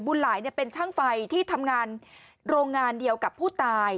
หลายเป็นช่างไฟที่ทำงานโรงงานเดียวกับผู้ตาย